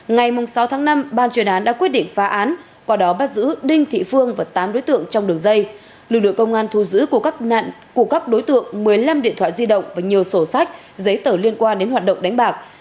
ngày sáu tháng năm ban chuyên án đã quyết định phá án qua đó bắt giữ đinh thị phương và tám đối tượng trong đường dây lực lượng công an thu giữ của các nạn của các đối tượng một mươi năm điện thoại di động và nhiều sổ sách giấy tờ liên quan đến hoạt động đánh bạc